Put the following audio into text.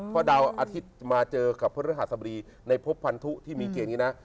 พอเดาอาทิตย์มาเจอกับพระฤหัสสมบูรณีในพบพันธุที่มีเกณฑ์นี้นะ